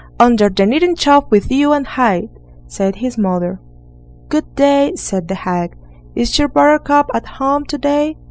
"Under the kneading trough with you and hide", said his mother. "Good day!" said the hag, "is your Buttercup at home to day?"